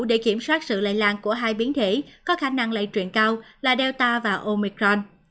để lây lan của hai biến thể có khả năng lây truyền cao là delta và omicron